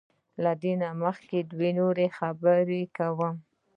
خو له دې مخکې دوه نورې خبرې کوم.